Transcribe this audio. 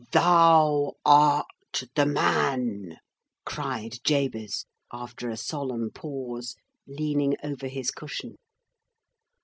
"Thou art the Man!" cried Jabez, after a solemn pause, leaning over his cushion.